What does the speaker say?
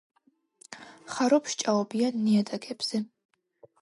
ხარობს ჭაობიან ნიადაგებზე.